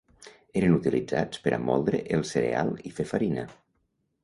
Eren utilitzats per a moldre el cereal i fer farina.